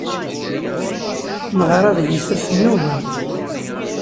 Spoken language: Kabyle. Neɣra adlis-a s nnuba.